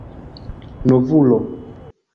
novulo